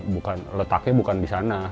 bukan letaknya di sana